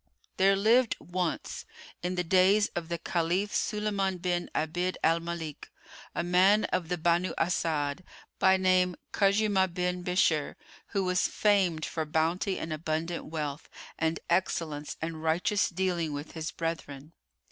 [FN#99] There lived once, in the days of the Caliph Sulayman bin Abd al Malik[FN#100] a man of the Banu Asad, by name Khuzaymah bin Bishr, who was famed for bounty and abundant wealth and excellence and righteous dealing with his brethren.